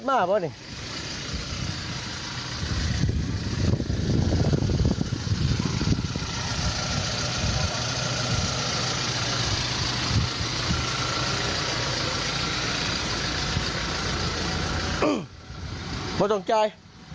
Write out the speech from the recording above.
อื้อพ่อสงสัย